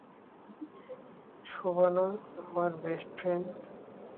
শোবানা, আমার best friend.